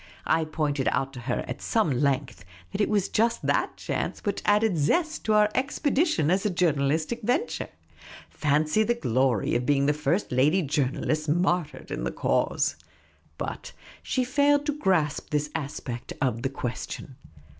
I pointed out to her at some length that it was just that chance which added zest to our expedition as a journalistic venture; fancy the glory of being the first lady journalists martyred in the cause ! But she failed to grasp this aspect of the question.